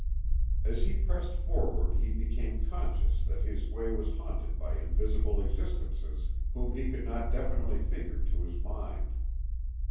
As he pressed forward he became conscious that his way was haunted by invisible existences whom he could not definitely figure to his mind.